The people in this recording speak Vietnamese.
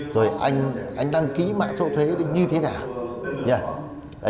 rồi anh đăng ký mạng sổ thuế như thế nào